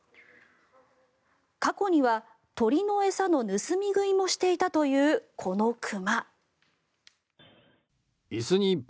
過去には鳥の餌の盗み食いもしていたというこの熊。